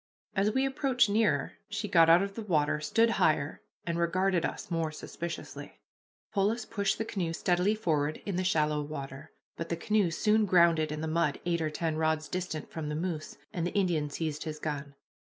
As we approached nearer she got out of the water, stood higher, and regarded us more suspiciously. Polis pushed the canoe steadily forward in the shallow water, but the canoe soon grounded in the mud eight or ten rods distant from the moose, and the Indian seized his gun.